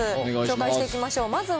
紹介していきましょう。